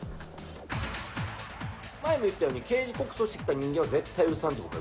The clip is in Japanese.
前も言ったように、刑事告訴してきた人間を絶対許さん。